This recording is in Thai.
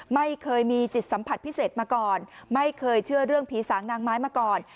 ไม่เคยมีจิตสัมผัสพิเศษมาก่อนไม่เคยเชื่อเรื่องผีสางนางไม้มาก่อน